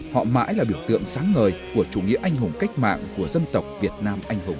họ mãi là biểu tượng sáng ngời của chủ nghĩa anh hùng cách mạng của dân tộc việt nam anh hùng